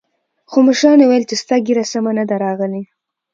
خو مشرانو ويل چې ستا ږيره سمه نه ده راغلې.